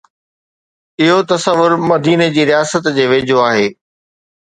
اهو تصور مديني جي رياست جي ويجهو آهي.